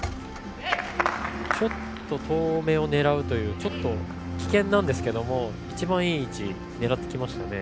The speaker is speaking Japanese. ちょっと遠めを狙うという危険なんですが一番いい位置を狙ってきましたね。